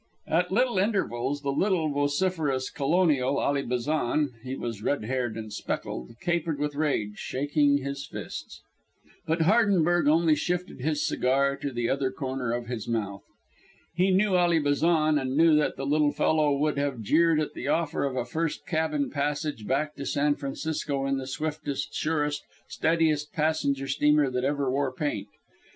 At little intervals the little vociferous colonial, Ally Bazan he was red haired and speckled capered with rage, shaking his fists. But Hardenberg only shifted his cigar to the other corner of his mouth. He knew Ally Bazan, and knew that the little fellow would have jeered at the offer of a first cabin passage back to San Francisco in the swiftest, surest, steadiest passenger steamer that ever wore paint.